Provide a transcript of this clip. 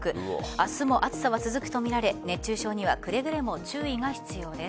明日も暑さは続くとみられ熱中症にはくれぐれも注意が必要です。